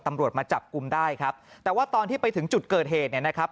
ตำรวจมาจับกลุ่มได้ครับแต่ว่าตอนที่ไปถึงจุดเกิดเหตุเนี่ยนะครับ